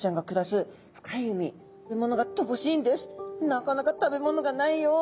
「なかなか食べ物がないよ！